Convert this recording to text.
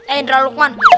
eh indra lukman